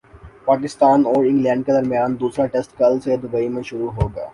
پاکستان اور انگلینڈ کے درمیان دوسرا ٹیسٹ کل سے دبئی میں شروع ہوگا